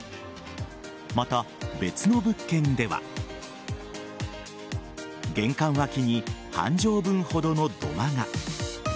また、別の物件では玄関脇に半畳分ほどの土間が。